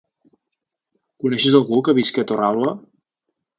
Coneixes algú que visqui a Torralba?